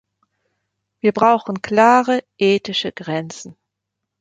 Wir brauchen klare ethische Grenzen.